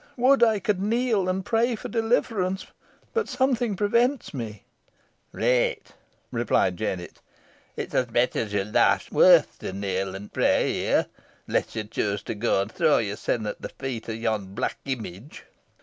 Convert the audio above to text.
Would I could kneel and pray for deliverance! But something prevents me." "Reet!" replied Jennet. "It's os mitch os yer loife's worth to kneel an pray here, onless yo choose to ge an throw yersel at th' feet o' yon black image."